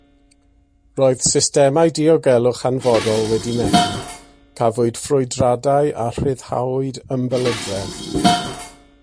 Roedd systemau diogelwch hanfodol wedi methu, cafwyd ffrwydradau a rhyddhawyd ymbelydredd.